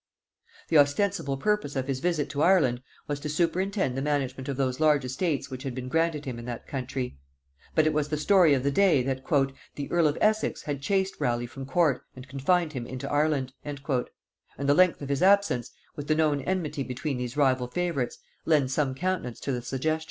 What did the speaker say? The ostensible purpose of his visit to Ireland was to superintend the management of those large estates which had been granted him in that country; but it was the story of the day, that "the earl of Essex had chased Raleigh from court and confined him into Ireland:" and the length of his absence, with the known enmity between these rival favorites, lends some countenance to the suggestion.